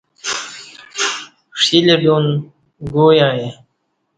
ݜِلی ڈُن گو یعیں